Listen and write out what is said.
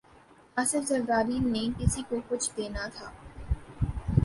آصف زرداری نے کسی کو کچھ دینا تھا۔